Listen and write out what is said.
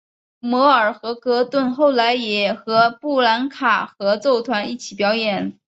摩尔和戈顿后来也和布兰卡合奏团一起表演。